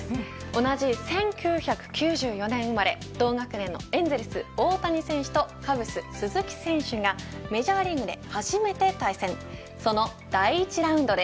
同じ１９９４年生まれ同学年のエンゼルス大谷選手とカブス、鈴木誠也選手がメジャーリーグで初めて対戦。